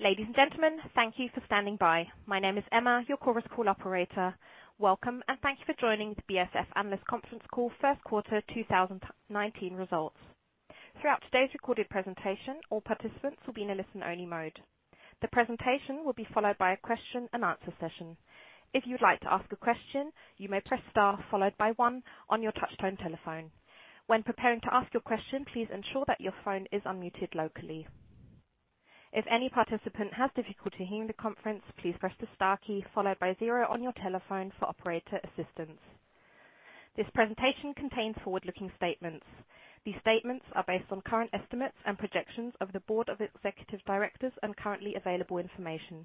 Ladies and gentlemen, thank you for standing by. My name is Emma, your Chorus Call operator. Welcome, and thank you for joining the BASF Analyst Conference Call First Quarter 2019 Results. Throughout today's recorded presentation, all participants will be in a listen-only mode. The presentation will be followed by a question and answer session. If you'd like to ask a question, you may press star followed by one on your touch-tone telephone. When preparing to ask your question, please ensure that your phone is unmuted locally. If any participant has difficulty hearing the conference, please press the star key followed by zero on your telephone for operator assistance. This presentation contains forward-looking statements. These statements are based on current estimates and projections of the board of executive directors and currently available information.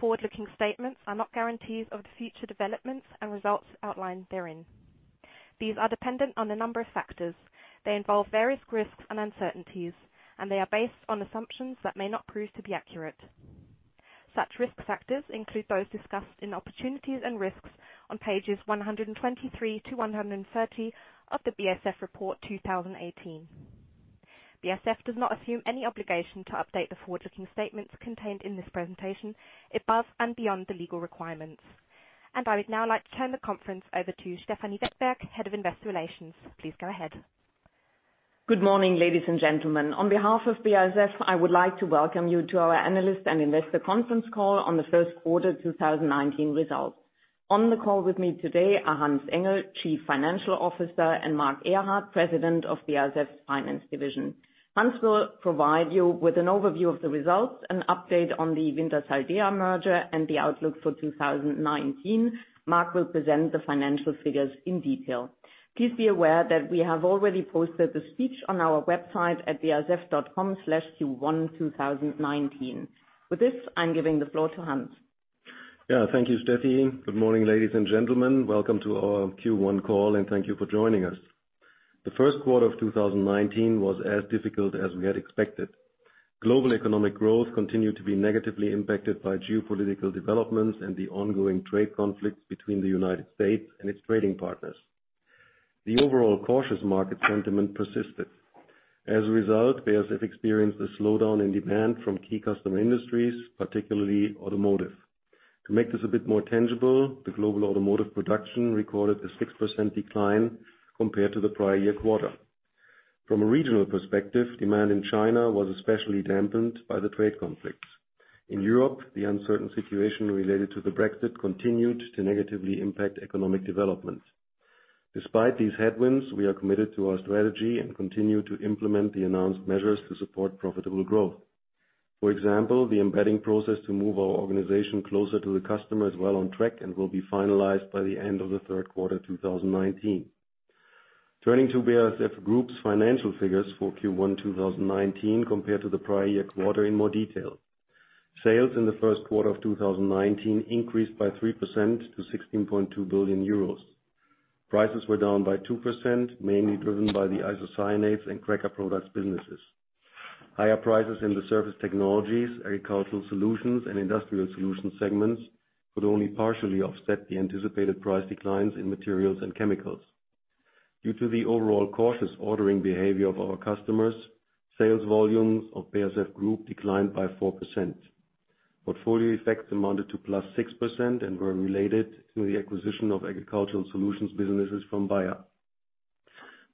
Forward-looking statements are not guarantees of the future developments and results outlined therein. These are dependent on a number of factors. They involve various risks and uncertainties, and they are based on assumptions that may not prove to be accurate. Such risk factors include those discussed in opportunities and risks on pages 123 to 130 of the BASF Report 2018. BASF does not assume any obligation to update the forward-looking statements contained in this presentation above and beyond the legal requirements. I would now like to turn the conference over to Stefanie Wettberg, Head of Investor Relations. Please go ahead. Good morning, ladies and gentlemen. On behalf of BASF, I would like to welcome you to our analyst and investor conference call on the first quarter 2019 results. On the call with me today are Hans-Ulrich Engel, Chief Financial Officer, and Marc Ehrhardt, President of BASF's Finance Division. Hans will provide you with an overview of the results and update on the Wintershall Dea merger and the outlook for 2019. Marc will present the financial figures in detail. Please be aware that we have already posted the speech on our website at basf.com/q12019. With this, I'm giving the floor to Hans. Thank you, Stefanie. Good morning, ladies and gentlemen. Welcome to our Q1 call, and thank you for joining us. The first quarter of 2019 was as difficult as we had expected. Global economic growth continued to be negatively impacted by geopolitical developments and the ongoing trade conflicts between the United States and its trading partners. The overall cautious market sentiment persisted. As a result, BASF experienced a slowdown in demand from key customer industries, particularly automotive. To make this a bit more tangible, the global automotive production recorded a 6% decline compared to the prior year quarter. From a regional perspective, demand in China was especially dampened by the trade conflicts. In Europe, the uncertain situation related to the Brexit continued to negatively impact economic development. Despite these headwinds, we are committed to our strategy and continue to implement the announced measures to support profitable growth. For example, the embedding process to move our organization closer to the customer is well on track and will be finalized by the end of the third quarter 2019. Turning to BASF Group's financial figures for Q1 2019 compared to the prior year quarter in more detail. Sales in the first quarter of 2019 increased by 3% to 16.2 billion euros. Prices were down by 2%, mainly driven by the isocyanates and cracker products businesses. Higher prices in the Surface Technologies, Agricultural Solutions, and Industrial Solutions segments could only partially offset the anticipated price declines in Materials and Chemicals. Due to the overall cautious ordering behavior of our customers, sales volumes of BASF Group declined by 4%. Portfolio effects amounted to +6% and were related to the acquisition of Agricultural Solutions businesses from Bayer.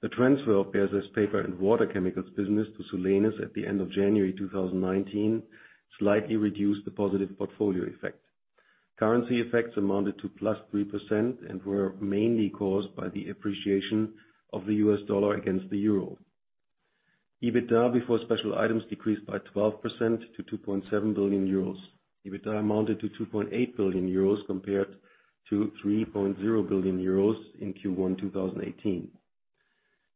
The transfer of BASF paper and water chemicals business to Solenis at the end of January 2019 slightly reduced the positive portfolio effect. Currency effects amounted to +3% and were mainly caused by the appreciation of the US dollar against the euro. EBITDA before special items decreased by 12% to 2.7 billion euros. EBITDA amounted to 2.8 billion euros compared to 3.0 billion euros in Q1 2018.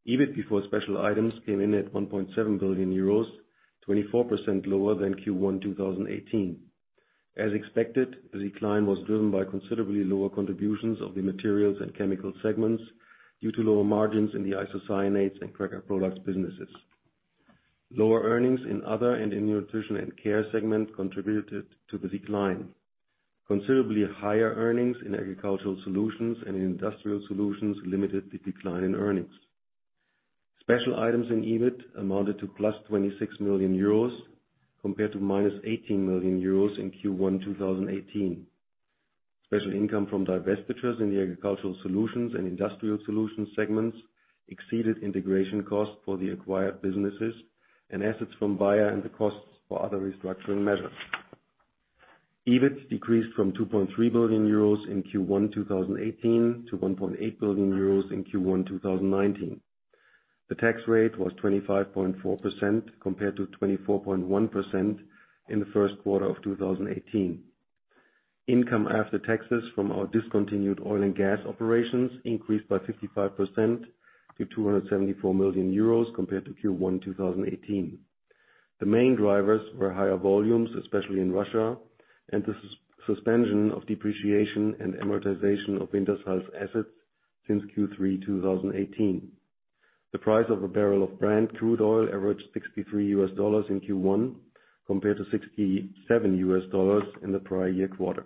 EBIT before special items came in at 1.7 billion euros, 24% lower than Q1 2018. As expected, the decline was driven by considerably lower contributions of the Materials and Chemicals segments due to lower margins in the isocyanates and cracker products businesses. Lower earnings in other and in Nutrition & Care segment contributed to the decline. Considerably higher earnings in Agricultural Solutions and in Industrial Solutions limited the decline in earnings. Special items in EBIT amounted to +26 million euros compared to -18 million euros in Q1 2018. Special income from divestitures in the Agricultural Solutions and Industrial Solutions segments exceeded integration costs for the acquired businesses and assets from Bayer and the costs for other restructuring measures. EBIT decreased from 2.3 billion euros in Q1 2018 to 1.8 billion euros in Q1 2019. The tax rate was 25.4% compared to 24.1% in the first quarter of 2018. Income after taxes from our discontinued oil and gas operations increased by 55% to 274 million euros compared to Q1 2018. The main drivers were higher volumes, especially in Russia, and the suspension of depreciation and amortization of Wintershall's assets since Q3 2018. The price of a barrel of Brent crude oil averaged $63 in Q1 compared to $67 in the prior year quarter.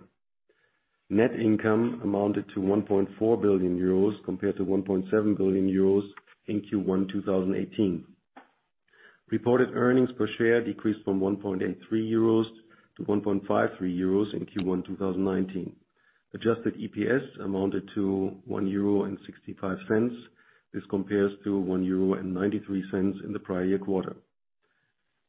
Net income amounted to 1.4 billion euros compared to 1.7 billion euros in Q1 2018. Reported earnings per share decreased from 1.83 euros to 1.53 euros in Q1 2019. Adjusted EPS amounted to 1.65 euro. This compares to 1.93 euro in the prior year quarter.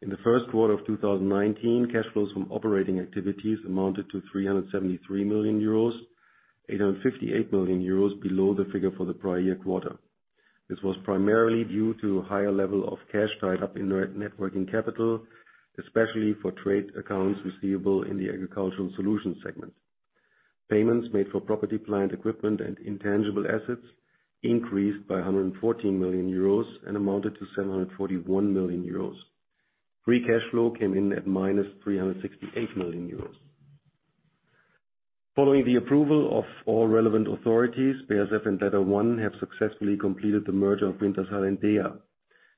In the first quarter of 2019, cash flows from operating activities amounted to 373 million euros, 858 million euros below the figure for the prior year quarter. This was primarily due to higher level of cash tied up in net working capital, especially for trade accounts receivable in the Agricultural Solutions segment. Payments made for property, plant equipment and intangible assets increased by 114 million euros and amounted to 741 million euros. Free cash flow came in at -368 million euros. Following the approval of all relevant authorities, BASF and LetterOne have successfully completed the merger of Wintershall and DEA.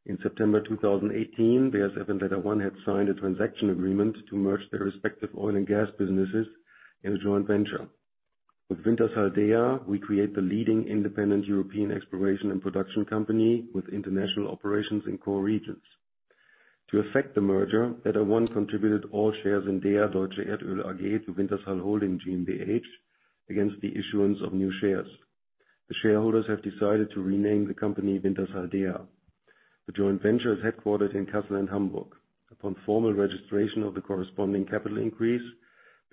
In September 2018, BASF and LetterOne had signed a transaction agreement to merge their respective oil and gas businesses in a joint venture. With Wintershall Dea, we create the leading independent European exploration and production company with international operations in core regions. To effect the merger, LetterOne contributed all shares in DEA Deutsche Erdöl AG to Wintershall Holding GmbH against the issuance of new shares. The shareholders have decided to rename the company Wintershall Dea. The joint venture is headquartered in Kassel and Hamburg. Upon formal registration of the corresponding capital increase,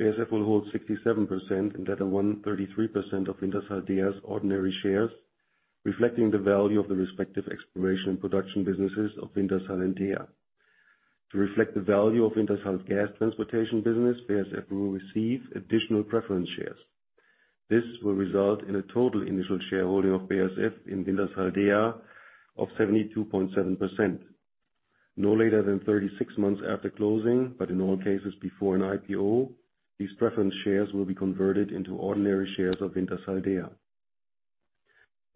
BASF will hold 67% and LetterOne 33% of Wintershall Dea's ordinary shares, reflecting the value of the respective exploration production businesses of Wintershall and DEA. To reflect the value of Wintershall's gas transportation business, BASF will receive additional preference shares. This will result in a total initial shareholding of BASF in Wintershall Dea of 72.7%. No later than 36 months after closing, but in all cases before an IPO, these preference shares will be converted into ordinary shares of Wintershall Dea.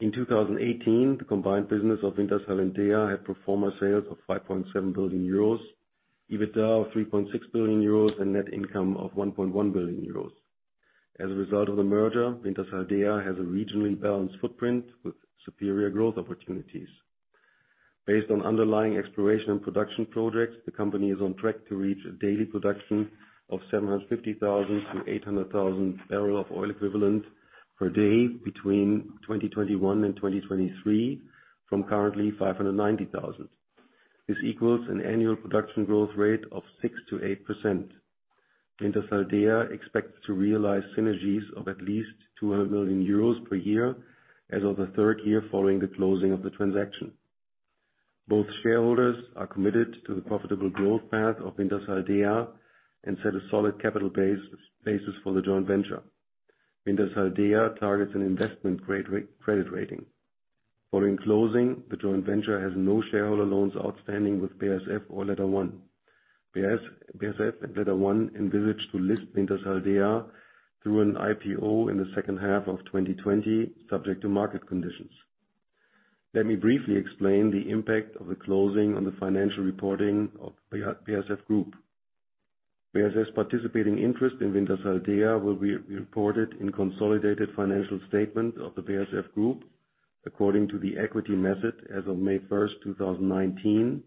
In 2018, the combined business of Wintershall Dea had pro forma sales of 5.7 billion euros, EBITDA of 3.6 billion euros, and net income of 1.1 billion euros. As a result of the merger, Wintershall Dea has a regionally balanced footprint with superior growth opportunities. Based on underlying exploration and production projects, the company is on track to reach a daily production of 750,000 to 800,000 barrel of oil equivalent per day between 2021 and 2023 from currently 590,000. This equals an annual production growth rate of 6%-8%. Wintershall Dea expects to realize synergies of at least 200 million euros per year as of the third year following the closing of the transaction. Both shareholders are committed to the profitable growth path of Wintershall Dea and set a solid capital base basis for the joint venture. Wintershall Dea targets an investment credit rating. Following closing, the joint venture has no shareholder loans outstanding with BASF or LetterOne. BASF and LetterOne envisage to list Wintershall Dea through an IPO in the second half of 2020, subject to market conditions. Let me briefly explain the impact of the closing on the financial reporting of BASF Group. BASF's participating interest in Wintershall Dea will be reported in consolidated financial statement of the BASF Group, according to the equity method as of May 1, 2019,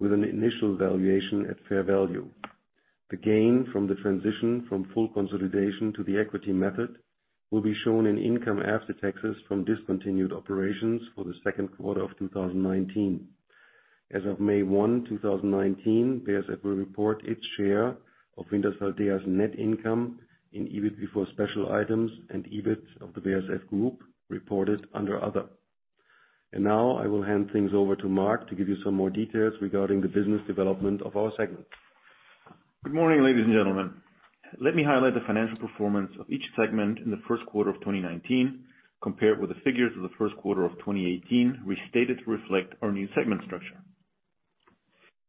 with an initial valuation at fair value. The gain from the transition from full consolidation to the equity method will be shown in income after taxes from discontinued operations for the second quarter of 2019. As of May 1, 2019, BASF will report its share of Wintershall Dea's net income in EBIT before special items and EBIT of the BASF Group reported under other. Now I will hand things over to Marc to give you some more details regarding the business development of our segment. Good morning, ladies and gentlemen. Let me highlight the financial performance of each segment in the first quarter of 2019, compared with the figures of the first quarter of 2018 restated to reflect our new segment structure.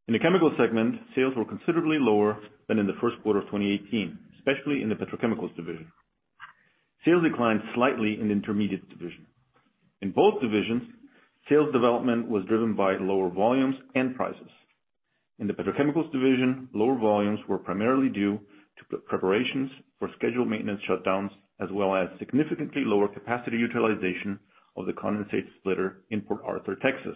In the Chemicals segment, sales were considerably lower than in the first quarter of 2018, especially in the Petrochemicals division. Sales declined slightly in Intermediate division. In both divisions, sales development was driven by lower volumes and prices. In the Petrochemicals division, lower volumes were primarily due to preparations for scheduled maintenance shutdowns, as well as significantly lower capacity utilization of the condensate splitter in Port Arthur, Texas.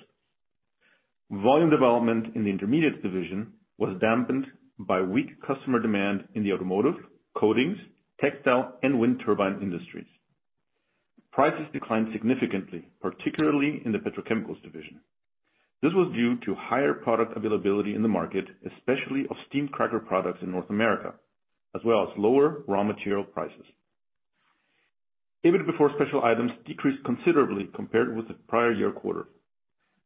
Volume development in the Intermediate division was dampened by weak customer demand in the automotive, coatings, textile, and wind turbine industries. Prices declined significantly, particularly in the Petrochemicals division. This was due to higher product availability in the market, especially of steam cracker products in North America, as well as lower raw material prices. EBIT before special items decreased considerably compared with the prior year quarter.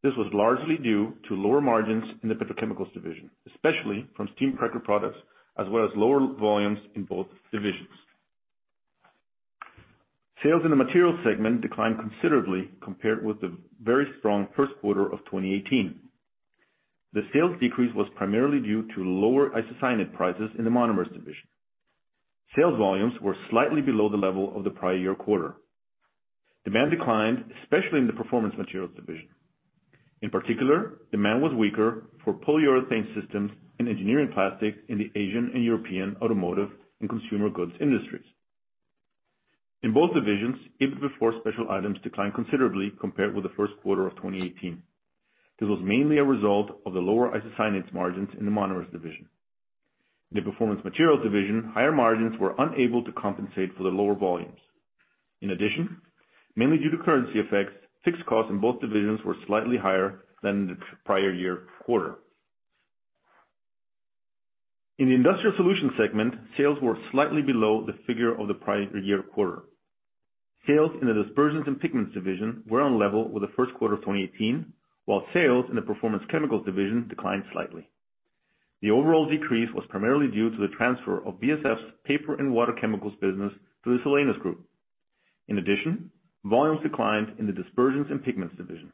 This was largely due to lower margins in the Petrochemicals division, especially from steam cracker products, as well as lower volumes in both divisions. Sales in the Materials segment declined considerably compared with the very strong first quarter of 2018. The sales decrease was primarily due to lower isocyanate prices in the Monomers division. Sales volumes were slightly below the level of the prior year quarter. Demand declined, especially in the Performance Materials division. In particular, demand was weaker for polyurethane systems and engineering plastic in the Asian and European automotive and consumer goods industries. In both divisions, EBIT before special items declined considerably compared with the first quarter of 2018. This was mainly a result of the lower isocyanates margins in the Monomers division. In the Performance Materials division, higher margins were unable to compensate for the lower volumes. In addition, mainly due to currency effects, fixed costs in both divisions were slightly higher than the prior year quarter. In the Industrial Solutions segment, sales were slightly below the figure of the prior year quarter. Sales in the Dispersions & Pigments division were on level with the first quarter of 2018, while sales in the Performance Chemicals division declined slightly. The overall decrease was primarily due to the transfer of BASF's Paper & Water Chemicals business to the Solenis group. In addition, volumes declined in the Dispersions & Pigments division.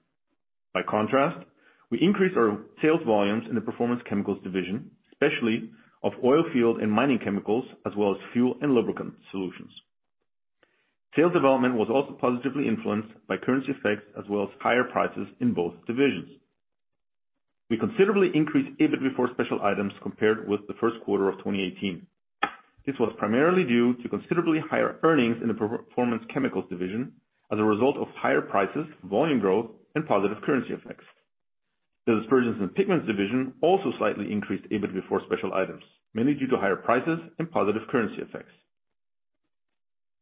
By contrast, we increased our sales volumes in the Performance Chemicals division, especially of oilfield and mining chemicals, as well as fuel and lubricant solutions. Sales development was also positively influenced by currency effects, as well as higher prices in both divisions. We considerably increased EBIT before special items compared with the first quarter of 2018. This was primarily due to considerably higher earnings in the Performance Chemicals division as a result of higher prices, volume growth, and positive currency effects. The Dispersions & Pigments division also slightly increased EBIT before special items, mainly due to higher prices and positive currency effects.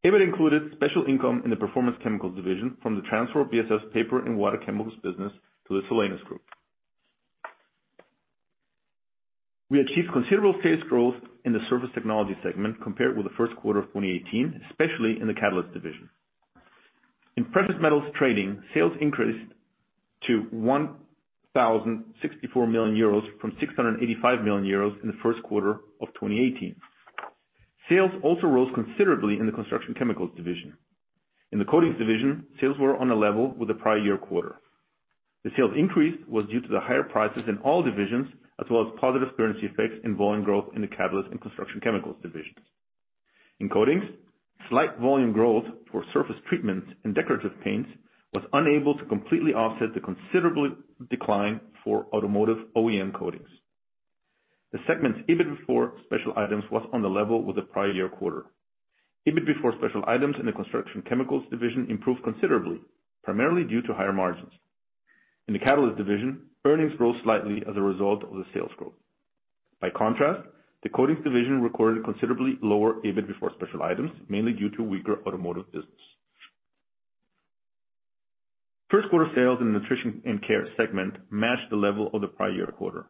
EBIT included special income in the Performance Chemicals division from the transfer of BASF's Paper & Water Chemicals business to the Solenis group. We achieved considerable sales growth in the Surface Technologies segment compared with the first quarter of 2018, especially in the Catalysts division. In Precious Metals Trading, sales increased to 1,064 million euros from 685 million euros in the first quarter of 2018. Sales also rose considerably in the Construction Chemicals division. In the Coatings division, sales were on a level with the prior year quarter. The sales increase was due to the higher prices in all divisions, as well as positive currency effects and volume growth in the Catalysts and Construction Chemicals divisions. In Coatings, slight volume growth for surface treatments and decorative paints was unable to completely offset the considerable decline for automotive OEM coatings. The segment's EBIT before special items was on the level with the prior year quarter. EBIT before special items in the Construction Chemicals division improved considerably, primarily due to higher margins. In the Catalysts division, earnings rose slightly as a result of the sales growth. By contrast, the Coatings division recorded considerably lower EBIT before special items, mainly due to weaker automotive business. First quarter sales in the Nutrition & Care segment matched the level of the prior year quarter.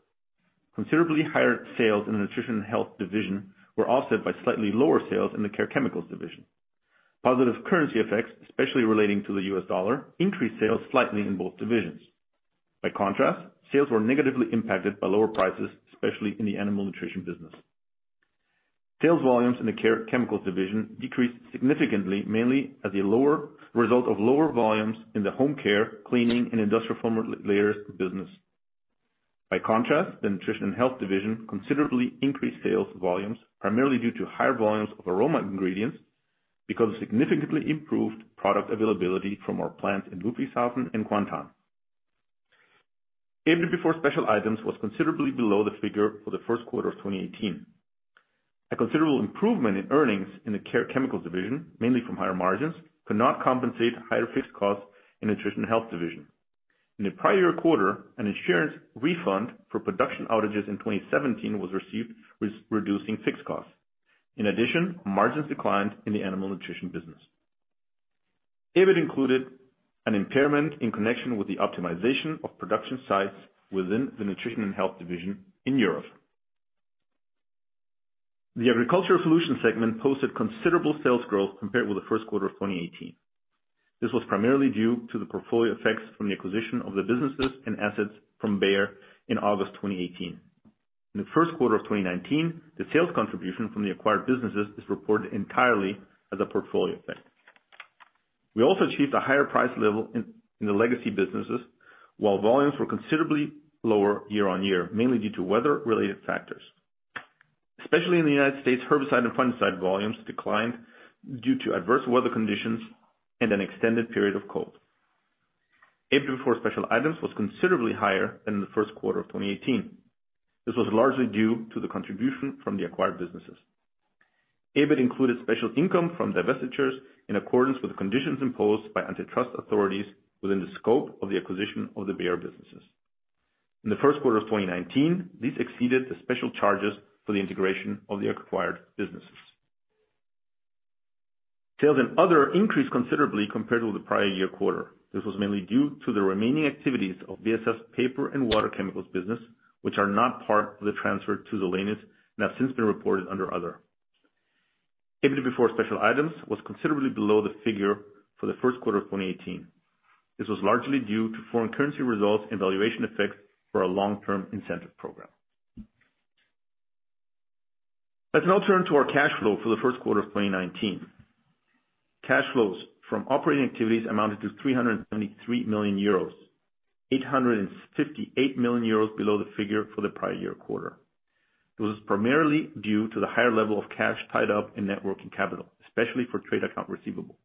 Considerably higher sales in the Nutrition & Health division were offset by slightly lower sales in the Care Chemicals division. Positive currency effects, especially relating to the US dollar, increased sales slightly in both divisions. By contrast, sales were negatively impacted by lower prices, especially in the animal nutrition business. Sales volumes in the Care Chemicals division decreased significantly, mainly as a result of lower volumes in the home care, cleaning, and industrial formulators business. By contrast, the Nutrition & Health division considerably increased sales volumes primarily due to higher volumes of aroma ingredients because of significantly improved product availability from our plants in Ludwigshafen and Kuantan. EBIT before special items was considerably below the figure for the first quarter of 2018. A considerable improvement in earnings in the Care Chemicals division, mainly from higher margins, could not compensate higher fixed costs in Nutrition & Health division. In the prior year quarter, an insurance refund for production outages in 2017 was received, reducing fixed costs. In addition, margins declined in the animal nutrition business. EBIT included an impairment in connection with the optimization of production sites within the Nutrition & Health division in Europe. The Agricultural Solutions segment posted considerable sales growth compared with the first quarter of 2018. This was primarily due to the portfolio effects from the acquisition of the businesses and assets from Bayer in August 2018. In the first quarter of 2019, the sales contribution from the acquired businesses is reported entirely as a portfolio effect. We also achieved a higher price level in the legacy businesses, while volumes were considerably lower year on year, mainly due to weather-related factors. Especially in the U.S., herbicide and fungicide volumes declined due to adverse weather conditions and an extended period of cold. EBIT before special items was considerably higher than in the first quarter of 2018. This was largely due to the contribution from the acquired businesses. EBIT included special income from divestitures in accordance with the conditions imposed by antitrust authorities within the scope of the acquisition of the Bayer businesses. In the first quarter of 2019, this exceeded the special charges for the integration of the acquired businesses. Sales in Other increased considerably compared with the prior year quarter. This was mainly due to the remaining activities of BASF's Paper and Water Chemicals business, which are not part of the transfer to Solenis, and have since been reported under Other. EBIT before special items was considerably below the figure for the first quarter of 2018. This was largely due to foreign currency results and valuation effects for our long-term incentive program. Let's now turn to our cash flow for the first quarter of 2019. Cash flows from operating activities amounted to 373 million euros, 858 million euros below the figure for the prior year quarter. It was primarily due to the higher level of cash tied up in net working capital, especially for trade accounts receivable.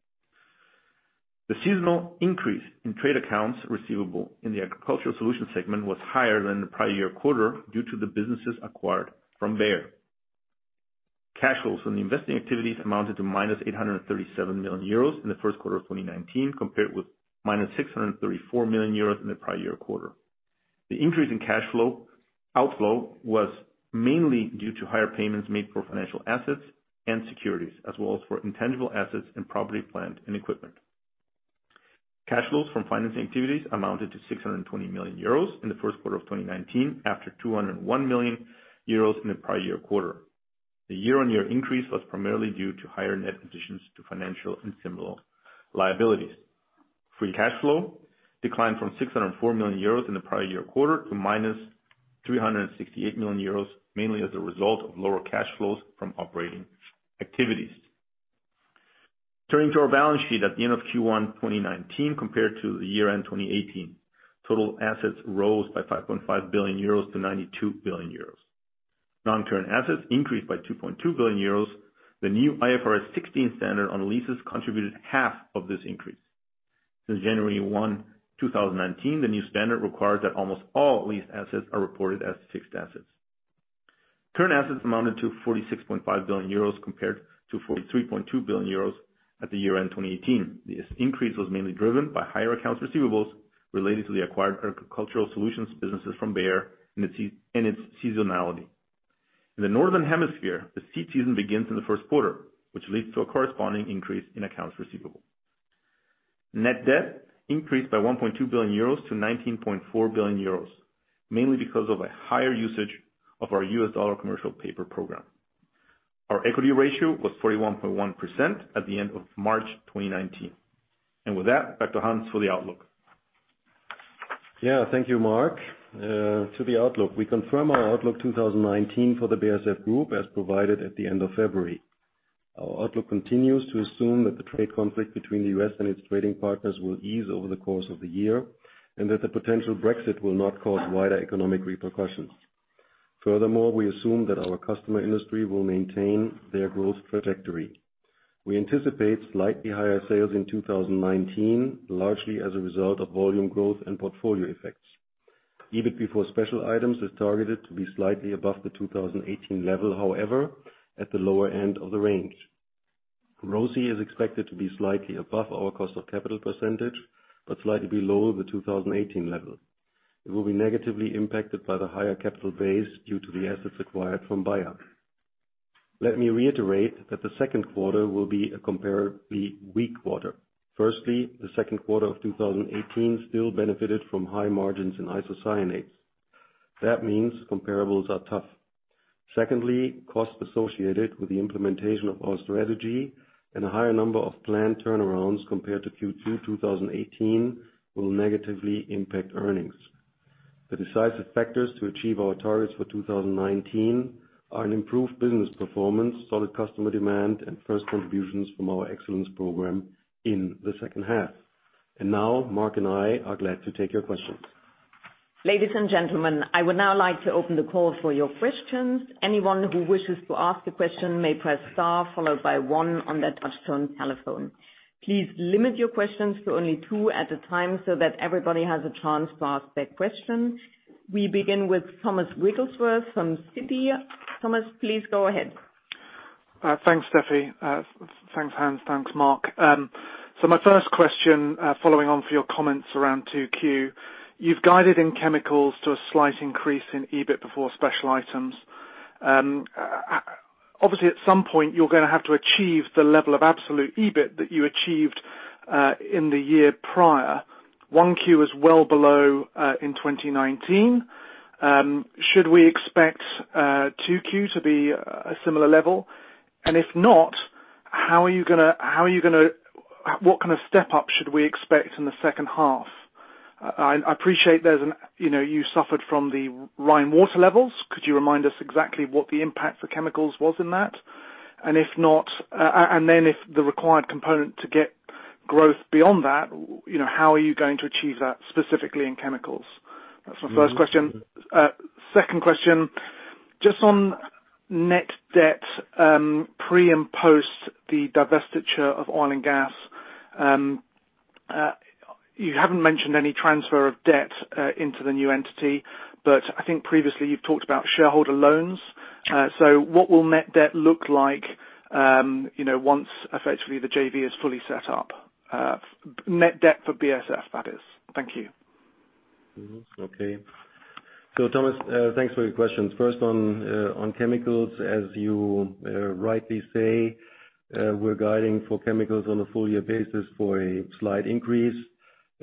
The seasonal increase in trade accounts receivable in the Agricultural Solutions segment was higher than the prior year quarter due to the businesses acquired from Bayer. Cash flows from the investing activities amounted to minus 837 million euros in the first quarter of 2019, compared with minus 634 million euros in the prior year quarter. The increase in cash flow outflow was mainly due to higher payments made for financial assets and securities, as well as for intangible assets in property, plant, and equipment. Cash flows from financing activities amounted to 620 million euros in the first quarter of 2019 after 201 million euros in the prior year quarter. The year-on-year increase was primarily due to higher net additions to financial and similar liabilities. Free cash flow declined from 604 million euros in the prior year quarter to minus 368 million euros, mainly as a result of lower cash flows from operating activities. Turning to our balance sheet at the end of Q1 2019 compared to the year-end 2018. Total assets rose by 5.5 billion euros to 92 billion euros. Long-term assets increased by 2.2 billion euros. The new IFRS 16 standard on leases contributed half of this increase. Since January 1, 2019, the new standard requires that almost all leased assets are reported as fixed assets. Current assets amounted to 46.5 billion euros, compared to 43.2 billion euros at the year-end 2018. This increase was mainly driven by higher accounts receivables related to the acquired Agricultural Solutions businesses from Bayer and its seasonality. In the Northern Hemisphere, the seed season begins in the first quarter, which leads to a corresponding increase in accounts receivable. Net debt increased by 1.2 billion euros to 19.4 billion euros, mainly because of a higher usage of our U.S. dollar commercial paper program. Our equity ratio was 41.1% at the end of March 2019. With that, back to Hans for the outlook. Thank you, Marc. To the outlook, we confirm our outlook 2019 for the BASF Group as provided at the end of February. Our outlook continues to assume that the trade conflict between the U.S. and its trading partners will ease over the course of the year, and that the potential Brexit will not cause wider economic repercussions. Furthermore, we assume that our customer industry will maintain their growth trajectory. We anticipate slightly higher sales in 2019, largely as a result of volume growth and portfolio effects. EBIT before special items is targeted to be slightly above the 2018 level, however, at the lower end of the range. ROCE is expected to be slightly above our cost of capital percentage, but slightly below the 2018 level. It will be negatively impacted by the higher capital base due to the assets acquired from Bayer. Let me reiterate that the second quarter will be a comparatively weak quarter. Firstly, the second quarter of 2018 still benefited from high margins in isocyanates. That means comparables are tough. Secondly, costs associated with the implementation of our strategy and a higher number of planned turnarounds compared to Q2 2018 will negatively impact earnings. The decisive factors to achieve our targets for 2019 are an improved business performance, solid customer demand, and first contributions from our excellence program in the second half. Now, Marc and I are glad to take your questions. Ladies and gentlemen, I would now like to open the call for your questions. Anyone who wishes to ask a question may press star followed by one on their touch-tone telephone. Please limit your questions to only two at a time so that everybody has a chance to ask their question. We begin with Thomas Wrigglesworth from Citi. Thomas, please go ahead. Thanks, Steffi. Thanks, Hans. Thanks, Marc. My first question, following on for your comments around 2Q. You've guided in chemicals to a slight increase in EBIT before special items. Obviously, at some point you're going to have to achieve the level of absolute EBIT that you achieved in the year prior. 1Q is well below in 2019. Should we expect 2Q to be a similar level? If not, what kind of step up should we expect in the second half? I appreciate you suffered from the Rhine water levels. Could you remind us exactly what the impact for chemicals was in that? If the required component to get growth beyond that, how are you going to achieve that specifically in chemicals? That's my first question. Second question, just on net debt, pre and post the divestiture of oil and gas. You haven't mentioned any transfer of debt into the new entity, I think previously you've talked about shareholder loans. What will net debt look like once effectively the JV is fully set up? Net debt for BASF, that is. Thank you. Okay. Thomas, thanks for your questions. First on chemicals, as you rightly say, we're guiding for chemicals on a full year basis for a slight increase.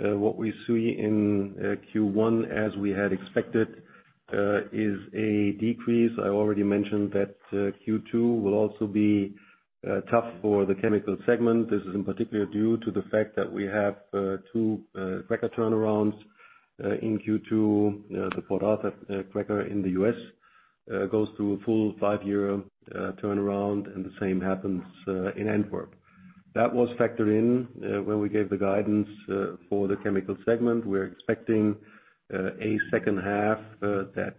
What we see in Q1, as we had expected, is a decrease. I already mentioned that Q2 will also be tough for the chemical segment. This is in particular due to the fact that we have two cracker turnarounds in Q2. The Port Arthur cracker in the U.S. goes through a full five-year turnaround, and the same happens in Antwerp. That was factored in when we gave the guidance for the chemical segment. We're expecting a second half that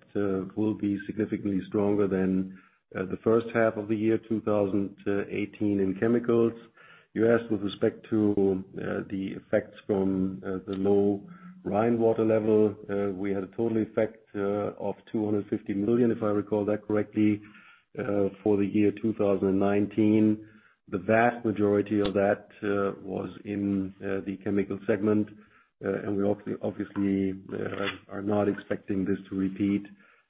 will be significantly stronger than the first half of the year 2018 in chemicals. You asked with respect to the effects from the low Rhine water level. We had a total effect of 250 million, if I recall that correctly, for the year 2019. The vast majority of that was in the chemical segment. We obviously are not expecting this to repeat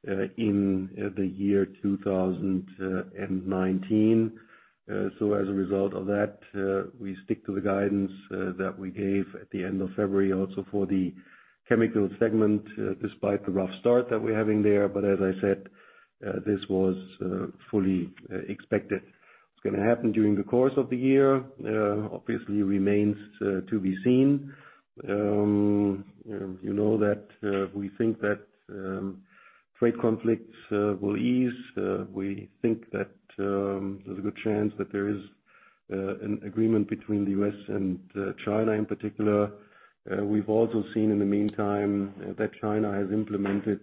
in the year 2019. As a result of that, we stick to the guidance that we gave at the end of February also for the chemical segment, despite the rough start that we're having there. As I said, this was fully expected. What's going to happen during the course of the year, obviously remains to be seen. You know that we think that trade conflicts will ease. We think that there's a good chance that there is an agreement between the U.S. and China in particular. We've also seen in the meantime, that China has implemented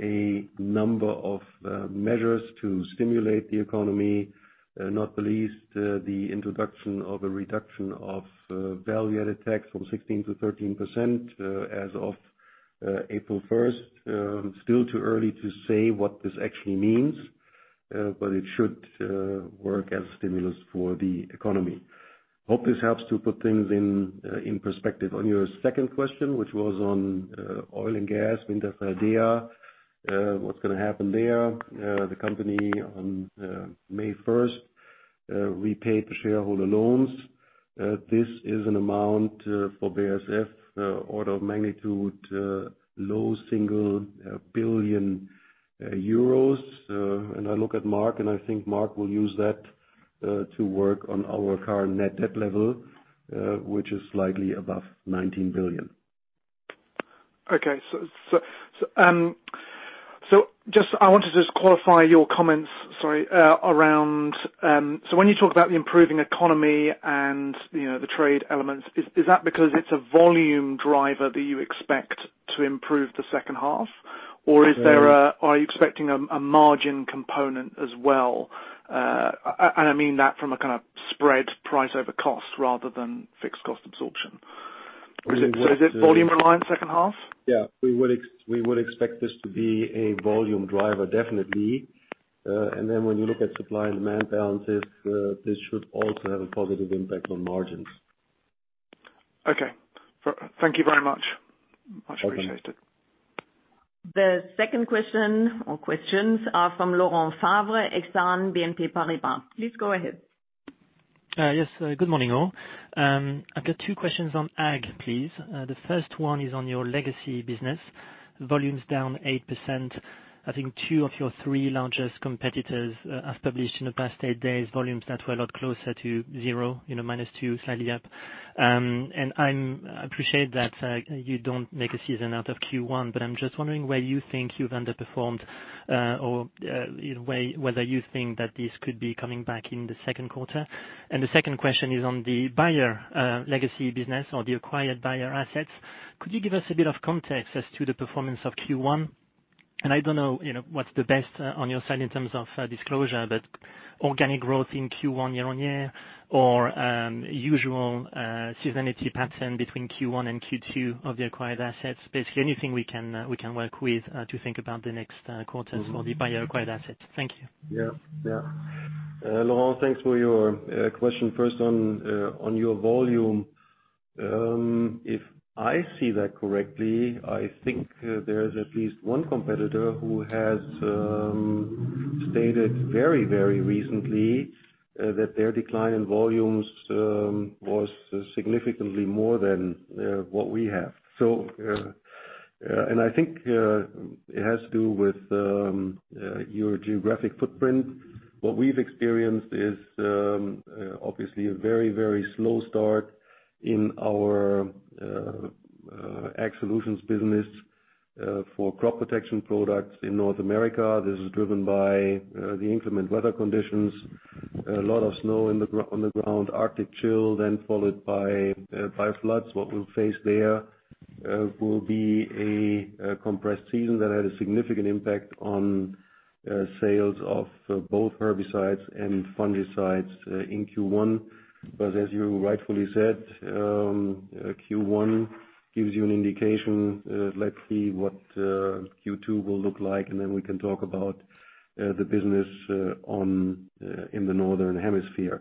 a number of measures to stimulate the economy, not the least, the introduction of a reduction of value-added tax from 16% to 13% as of April 1st. Still too early to say what this actually means. It should work as stimulus for the economy. Hope this helps to put things in perspective. On your second question, which was on oil and gas, Wintershall Dea, what's going to happen there? The company on May 1st repaid the shareholder loans. This is an amount for BASF, order of magnitude low single billion euros. I look at Marc, and I think Marc will use that to work on our current net debt level, which is slightly above 19 billion. Okay. I wanted to just qualify your comments. When you talk about the improving economy and the trade elements, is that because it's a volume driver that you expect to improve the second half? Or are you expecting a margin component as well? I mean that from a kind of spread price over cost rather than fixed cost absorption. Is it volume reliant second half? Yeah, we would expect this to be a volume driver, definitely. When you look at supply and demand balances, this should also have a positive impact on margins. Okay. Thank you very much. Much appreciated. Welcome. The second question or questions are from Laurent Favre, Exane BNP Paribas. Please go ahead. Yes. Good morning, all. I've got two questions on Ag, please. The first one is on your legacy business. Volumes down 8%. I think two of your three largest competitors have published in the past eight days, volumes that were a lot closer to zero, minus two, slightly up. I appreciate that you don't make a season out of Q1, but I'm just wondering where you think you've underperformed, or whether you think that this could be coming back in the second quarter. The second question is on the Bayer legacy business or the acquired Bayer assets. Could you give us a bit of context as to the performance of Q1? I don't know what's the best on your side in terms of disclosure, but organic growth in Q1 year-on-year, or usual seasonality pattern between Q1 and Q2 of the acquired assets. Basically, anything we can work with to think about the next quarters for the Bayer acquired assets. Thank you. Laurent, thanks for your question. First on your volume. If I see that correctly, I think there is at least one competitor who has stated very recently that their decline in volumes was significantly more than what we have. I think it has to do with your geographic footprint. What we've experienced is obviously a very slow start in our Ag solutions business for crop protection products in North America. This is driven by the inclement weather conditions. A lot of snow on the ground, Arctic chill, then followed by floods. What we'll face there will be a compressed season that had a significant impact on sales of both herbicides and fungicides in Q1. As you rightfully said, Q1 gives you an indication. Let's see what Q2 will look like, and then we can talk about the business in the Northern Hemisphere.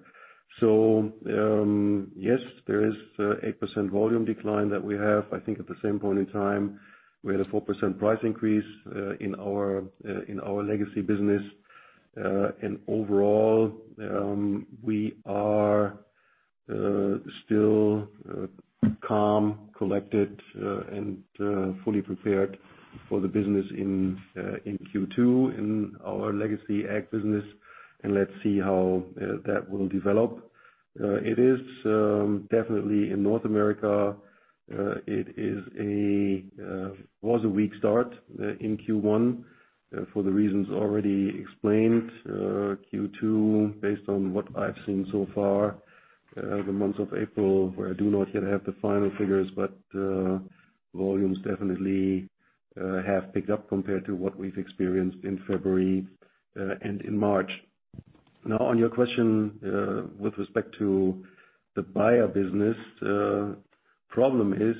Yes, there is 8% volume decline that we have. I think at the same point in time, we had a 4% price increase in our legacy business. Overall, we are still calm, collected, and fully prepared for the business in Q2, in our legacy ag business, and let's see how that will develop. It is definitely in North America, it was a weak start in Q1 for the reasons already explained. Q2, based on what I've seen so far, the month of April, where I do not yet have the final figures, but volumes definitely have picked up compared to what we've experienced in February and in March. On your question with respect to the Bayer business. Problem is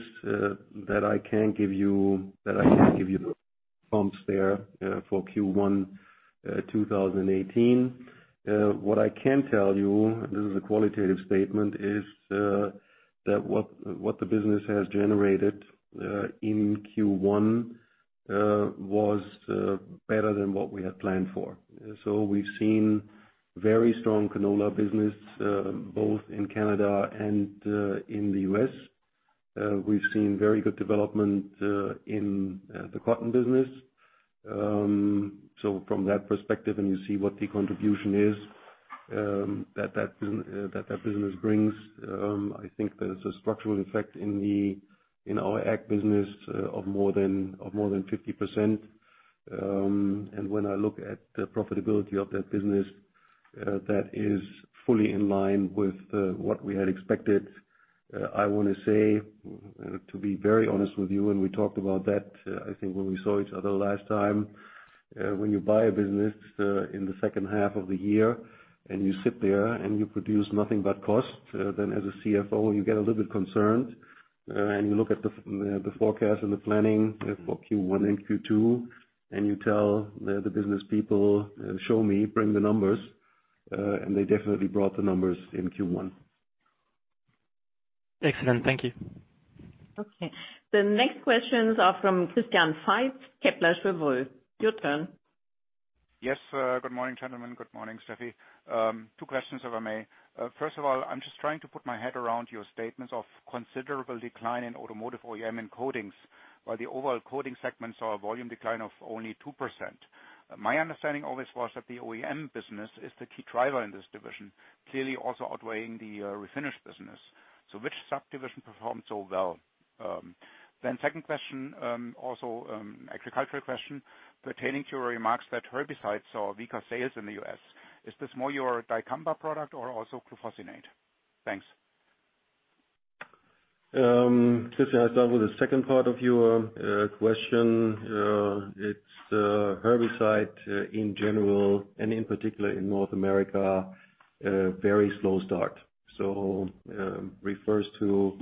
that I can't give you the numbers there for Q1 2018. What I can tell you, this is a qualitative statement, is that what the business has generated in Q1 was better than what we had planned for. We've seen very strong canola business both in Canada and in the U.S. We've seen very good development in the cotton business. From that perspective, and you see what the contribution is that that business brings. I think there's a structural effect in our ag business of more than 50%. When I look at the profitability of that business, that is fully in line with what we had expected. I want to say, to be very honest with you, and we talked about that, I think, when we saw each other last time. When you buy a business in the second half of the year and you sit there and you produce nothing but cost, then as a CFO, you get a little bit concerned. You look at the forecast and the planning for Q1 and Q2, and you tell the business people, "Show me, bring the numbers." They definitely brought the numbers in Q1. Excellent. Thank you. Okay. The next questions are from Christian Faitz, Kepler Cheuvreux. Your turn. Yes. Good morning, gentlemen. Good morning, Steffi. Two questions, if I may. First of all, I'm just trying to put my head around your statements of considerable decline in automotive OEM and coatings, while the overall Coatings segment saw a volume decline of only 2%. My understanding always was that the OEM business is the key driver in this division, clearly also outweighing the refinish business. Which subdivision performed so well? Second question, also agricultural question, pertaining to your remarks that herbicides saw weaker sales in the U.S. Is this more your dicamba product or also glufosinate? Thanks. Christian, I'll start with the second part of your question. It's the herbicide in general and in particular in North America, a very slow start. It refers to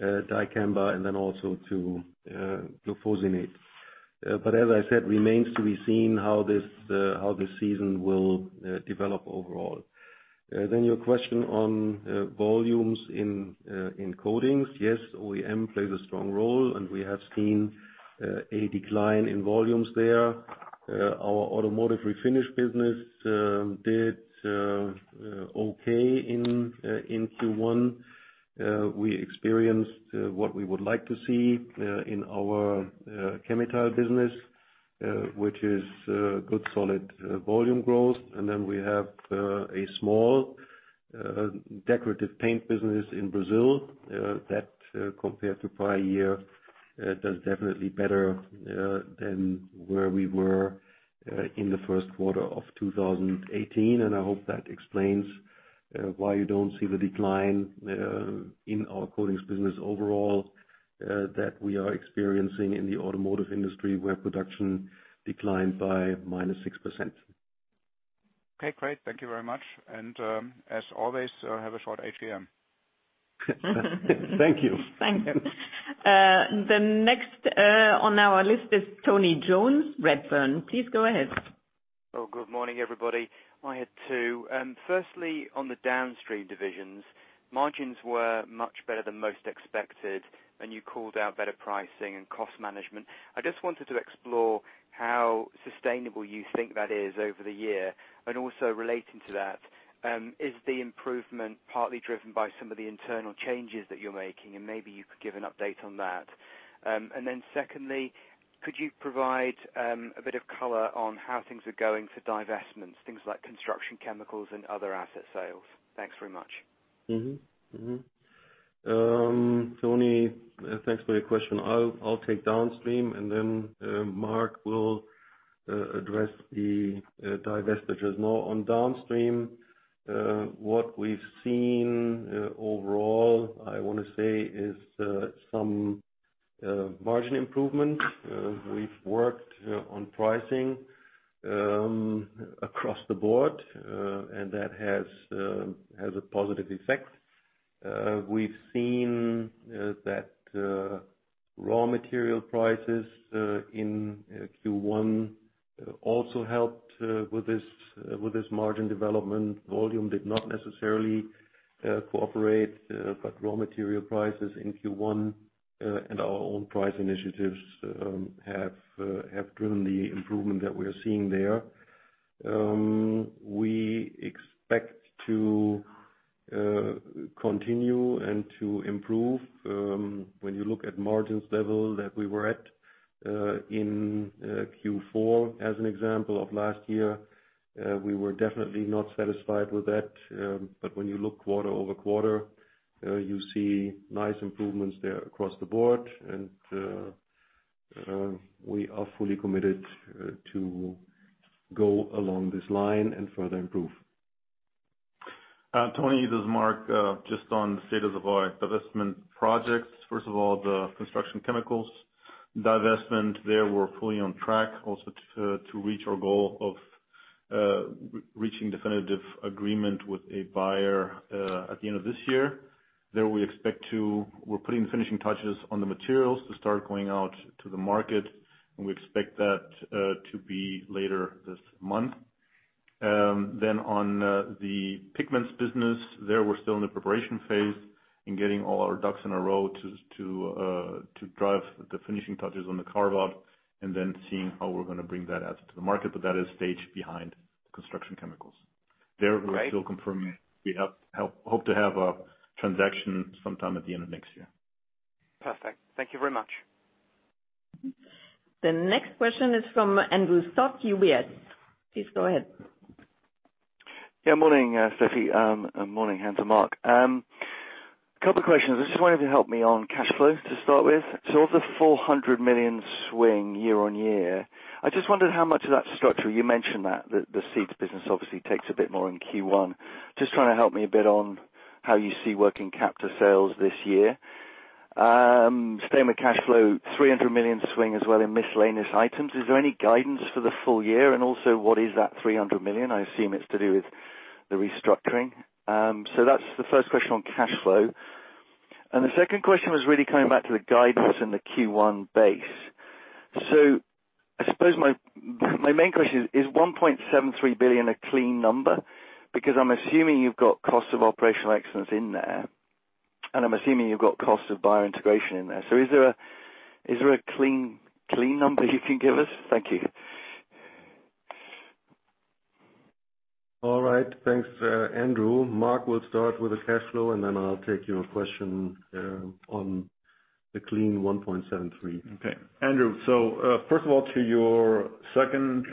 dicamba and then also to glufosinate. As I said, remains to be seen how this season will develop overall. Your question on volumes in Coatings. Yes, OEM plays a strong role, and we have seen a decline in volumes there. Our automotive refinish business did okay in Q1. We experienced what we would like to see in our chemical business, which is good solid volume growth. We have a small decorative paint business in Brazil that compared to prior year, does definitely better than where we were in the first quarter of 2018. I hope that explains why you don't see the decline in our Coatings business overall that we are experiencing in the automotive industry, where production declined by -6%. Okay, great. Thank you very much. As always, have a short ATM. Thank you. Thank you. The next on our list is Tony Jones, Redburn. Please go ahead. Oh, good morning, everybody. I had two. Firstly, on the downstream divisions, margins were much better than most expected, and you called out better pricing and cost management. I just wanted to explore how sustainable you think that is over the year. Also relating to that, is the improvement partly driven by some of the internal changes that you're making? Maybe you could give an update on that. Secondly, could you provide a bit of color on how things are going for divestments, things like Construction Chemicals and other asset sales? Thanks very much. Tony, thanks for your question. I'll take downstream. Marc will address the divestitures. On downstream, what we've seen overall, I want to say, is some margin improvement. We've worked on pricing across the board, and that has a positive effect. We've seen that raw material prices in Q1 also helped with this margin development. Volume did not necessarily cooperate. Raw material prices in Q1 and our own price initiatives have driven the improvement that we are seeing there. We expect to continue and to improve. When you look at margins level that we were at in Q4 as an example of last year, we were definitely not satisfied with that. When you look quarter-over-quarter, you see nice improvements there across the board, and we are fully committed to go along this line and further improve. Tony, this is Marc. Just on the status of our divestment projects. First of all, the Construction Chemicals divestment. There, we're fully on track also to reach our goal of reaching definitive agreement with a buyer, at the end of this year. There we're putting the finishing touches on the materials to start going out to the market, and we expect that to be later this month. On the Pigments business, there we're still in the preparation phase and getting all our ducks in a row to drive the finishing touches on the carve-out and then seeing how we're going to bring that out to the market. That is a stage behind Construction Chemicals. There we're still confirming. We hope to have a transaction sometime at the end of next year. Perfect. Thank you very much. The next question is from Andrew Stott, UBS. Please go ahead. Morning, Stefanie. Morning, Hans and Marc. A couple questions. I just wonder if you can help me on cash flow to start with. Of the 400 million swing year-on-year, I just wondered how much of that structural, you mentioned that, the seeds business obviously takes a bit more in Q1. Just trying to help me a bit on how you see working capital sales this year. Staying with cash flow, 300 million swing as well in miscellaneous items. Is there any guidance for the full year, and also what is that 300 million? I assume it's to do with the restructuring. That's the first question on cash flow. The second question was really coming back to the guidance and the Q1 base. I suppose my main question is 1.73 billion a clean number? I'm assuming you've got cost of operational excellence in there, and I'm assuming you've got cost of Bayer integration in there. Is there a clean number you can give us? Thank you. All right. Thanks, Andrew. Marc will start with the cash flow, and then I'll take your question on the clean 1.73 million. Okay. Andrew, first of all, to your second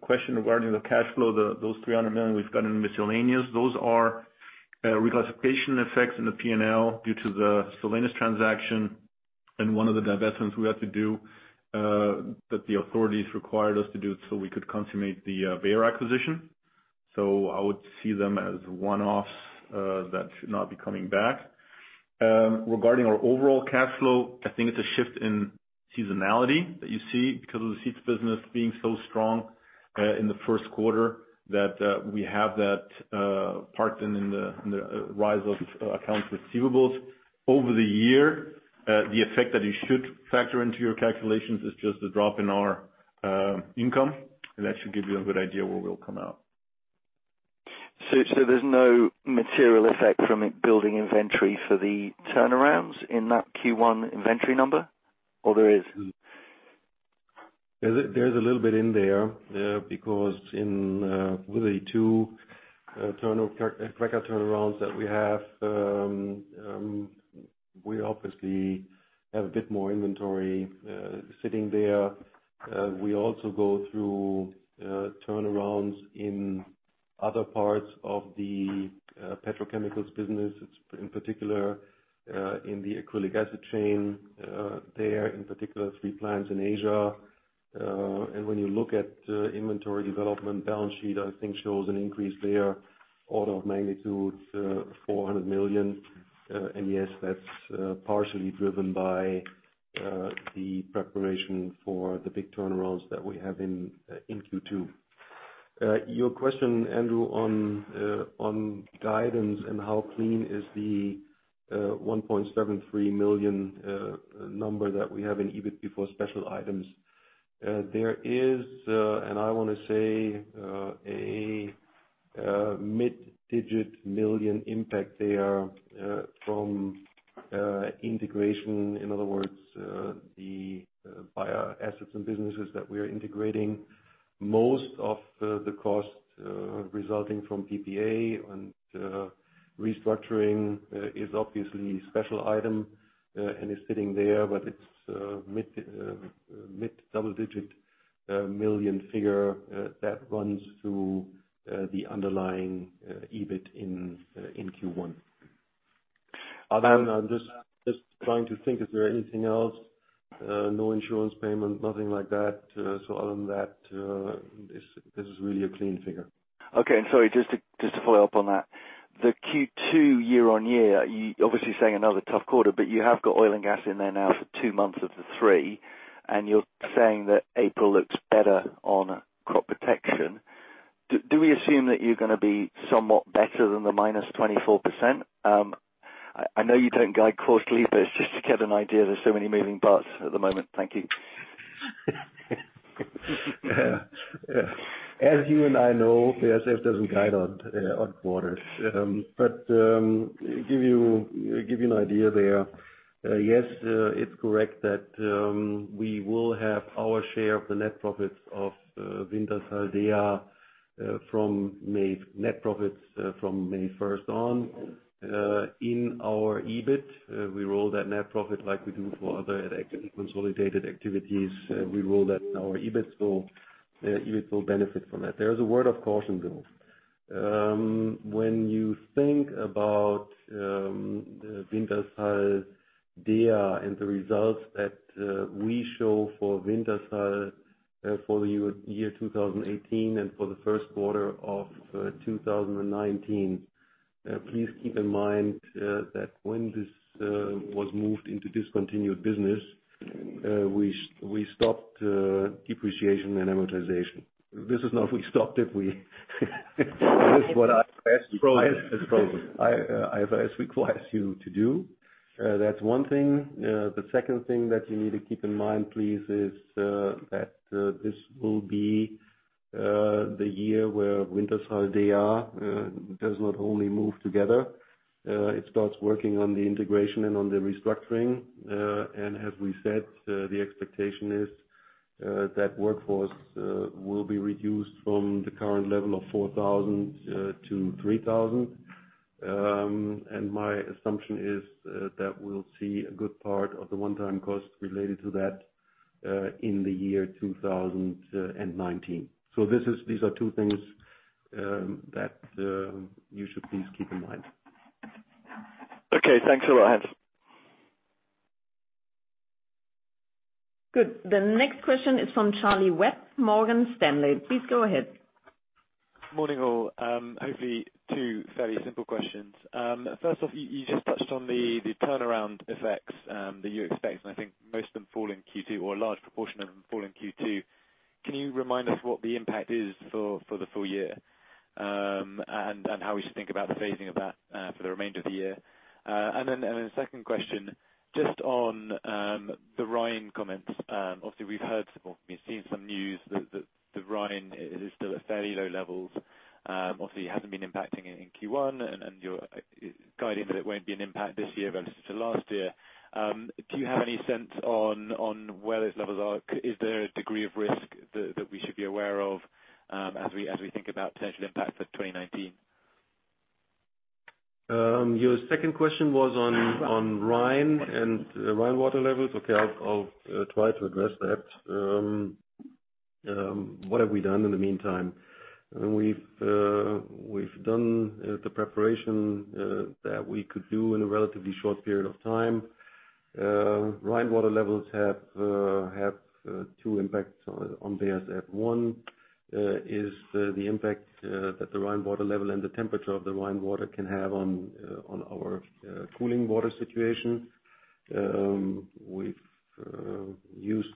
question regarding the cash flow, those 300 million we've got in miscellaneous, those are reclassification effects in the P&L due to the Solenis transaction and one of the divestments we had to do that the authorities required us to do so we could consummate the Bayer acquisition. I would see them as one-offs that should not be coming back. Regarding our overall cash flow, I think it's a shift in seasonality that you see because of the seeds business being so strong in the first quarter that we have that parked in the rise of accounts receivables. Over the year, the effect that you should factor into your calculations is just a drop in our income, and that should give you a good idea where we'll come out. There's no material effect from building inventory for the turnarounds in that Q1 inventory number, or there is? There is a little bit in there, because with the two cracker turnarounds that we have, we obviously have a bit more inventory sitting there. We also go through turnarounds in other parts of the petrochemicals business. In particular, in the acrylic acid chain, there in particular three plants in Asia. When you look at inventory development, balance sheet, I think, shows an increase there, order of magnitude 400 million. Yes, that's partially driven by the preparation for the big turnarounds that we have in Q2. Your question, Andrew, on guidance and how clean is the 1.73 million number that we have in EBIT before special items. There is, I want to say, a mid digit EUR million impact there from integration. In other words, the Bayer assets and businesses that we are integrating, most of the cost resulting from PPA and restructuring is obviously special item, and is sitting there, but it's mid double-digit million figure that runs through the underlying EBIT in Q1. I'm just trying to think, is there anything else? No insurance payment, nothing like that. Other than that, this is really a clean figure. Okay. Sorry, just to follow up on that. The Q2 year-over-year, you're obviously saying another tough quarter, but you have got oil and gas in there now for two months of the three, and you're saying that April looks better on crop protection. Do we assume that you're going to be somewhat better than the -24%? I know you don't guide quarterly, but it's just to get an idea. There's so many moving parts at the moment. Thank you. As you and I know, BASF doesn't guide on quarters. To give you an idea there, yes, it's correct that we will have our share of the net profits of Wintershall Dea net profits from May 1st on. In our EBIT, we roll that net profit like we do for other consolidated activities. We roll that in our EBIT will benefit from that. There is a word of caution, Bill. When you think about Wintershall Dea and the results that we show for Wintershall for the year 2018 and for the first quarter of 2019, please keep in mind that when this was moved into discontinued business, we stopped depreciation and amortization. This is not we stopped it. It's frozen. IFRS requires you to do. That's one thing. The second thing that you need to keep in mind, please, is that this will be the year where Wintershall Dea does not only move together, it starts working on the integration and on the restructuring. As we said, the expectation is that workforce will be reduced from the current level of 4,000 to 3,000. My assumption is that we'll see a good part of the one-time costs related to that, in the year 2019. These are two things that you should please keep in mind. Okay, thanks a lot. Good. The next question is from Charlie Webb, Morgan Stanley. Please go ahead. Morning, all. Hopefully, two fairly simple questions. First off, you just touched on the turnaround effects that you expect, and I think most of them fall in Q2 or a large proportion of them fall in Q2. Can you remind us what the impact is for the full year? How we should think about the phasing of that for the remainder of the year? Then the second question, just on the Rhine comments. Obviously, we've heard or we've seen some news that the Rhine is still at fairly low levels. Obviously, it hasn't been impacting it in Q1 and you're guiding that it won't be an impact this year versus to last year. Do you have any sense on where those levels are? Is there a degree of risk that we should be aware of as we think about potential impacts of 2019? Your second question was on Rhine and Rhine water levels. Okay. I'll try to address that. What have we done in the meantime? We've done the preparation that we could do in a relatively short period of time. Rhine water levels have two impacts on BASF. One is the impact that the Rhine water level and the temperature of the Rhine water can have on our cooling water situation. We've used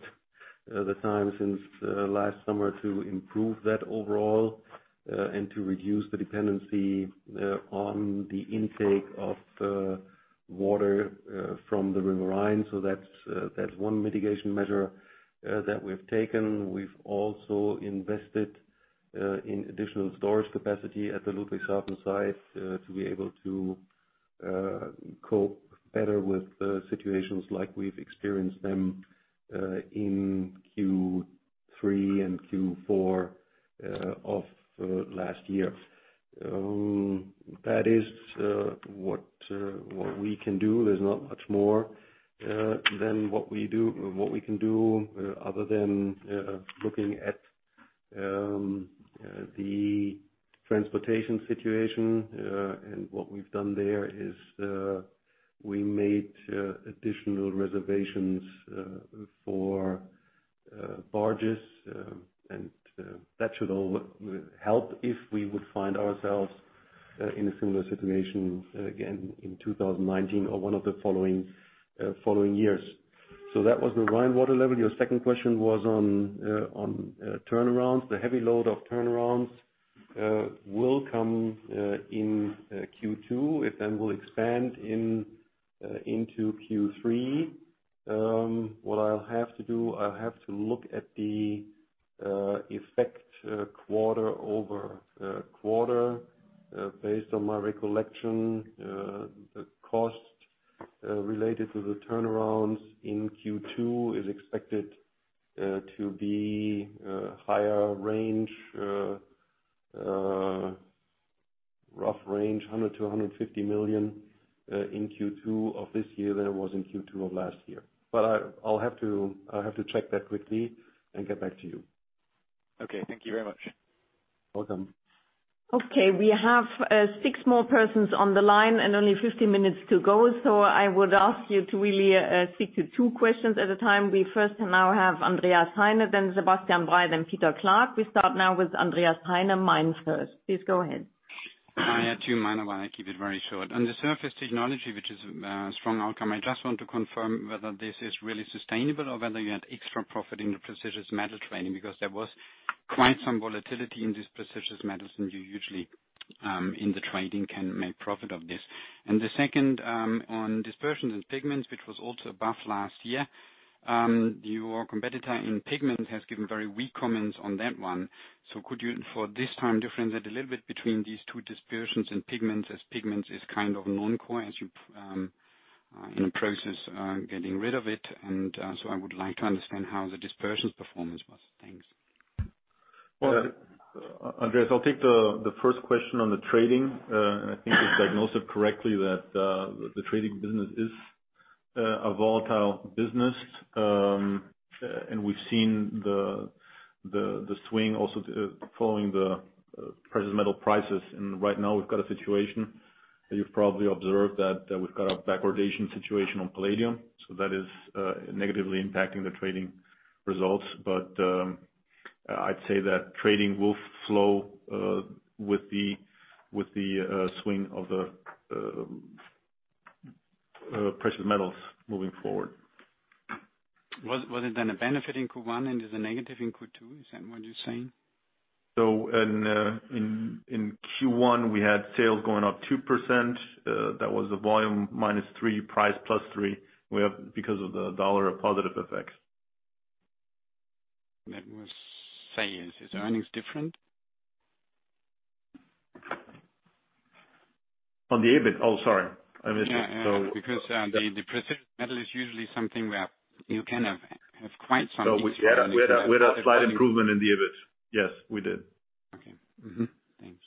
the time since last summer to improve that overall and to reduce the dependency on the intake of water from the River Rhine. That's one mitigation measure that we've taken. We've also invested in additional storage capacity at the Ludwigshafen site to be able to cope better with situations like we've experienced them in Q3 and Q4 of last year. That is what we can do. There's not much more than what we can do other than looking at the transportation situation. What we've done there is we made additional reservations for barges. That should help if we would find ourselves in a similar situation again in 2019 or one of the following years. That was the Rhine water level. Your second question was on turnarounds. The heavy load of turnarounds will come in Q2 and then will expand into Q3. What I'll have to do, I have to look at the effect quarter-over-quarter. Based on my recollection, the cost related to the turnarounds in Q2 is expected to be higher range, rough range, 100 million-150 million in Q2 of this year than it was in Q2 of last year. I'll have to check that quickly and get back to you. Okay. Thank you very much. Welcome. Okay. We have six more persons on the line and only 15 minutes to go. I would ask you to really stick to two questions at a time. We first now have Andreas Heine, then Sebastian Bray, then Peter Clark. We start now with Andreas Heine, MainFirst. Please go ahead. Hi. Two, mine, I will keep it very short. On the Surface Technologies segment, which is a strong outcome, I just want to confirm whether this is really sustainable or whether you had extra profit in the Precious Metals Trading, because there was quite some volatility in these precious metals and you usually in the trading can make profit of this. The second on Dispersions & Pigments division, which was also above last year. Your competitor in pigments has given very weak comments on that one. Could you, for this time, differentiate it a little bit between these two Dispersions & Pigments, as pigments is kind of non-core as you're in the process of getting rid of it. I would like to understand how the dispersions performance was. Thanks. Andreas, I'll take the first question on the trading. I think you've diagnosed it correctly that the trading business is a volatile business. We've seen the swing also following the precious metals prices. Right now we've got a situation that you've probably observed that we've got a backwardation situation on palladium, so that is negatively impacting the trading results. I'd say that trading will flow with the swing of the precious metals moving forward. Was it then a benefit in Q1 and is a negative in Q2? Is that what you're saying? In Q1 we had sales going up 2%. That was the volume -3%, price +3%. We have, because of the U.S. dollar, a positive effect. Let me say, is earnings different? On the EBIT? Oh, sorry. I missed it. Yeah, because the Precious Metals is usually something where you can have quite some. We had a slight improvement in the EBIT. Yes, we did. Okay. Thanks.